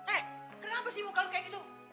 eh kenapa sih muka lo kayak gitu sel